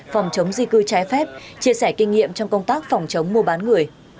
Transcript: phòng chống di cư trái phép chia sẻ kinh nghiệm trong công tác phòng chống mua bán người